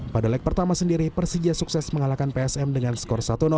pada leg pertama sendiri persija sukses mengalahkan psm dengan skor satu